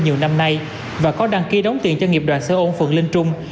nhiều năm nay và có đăng ký đóng tiền cho nghiệp đoàn xe ôm phượng linh trung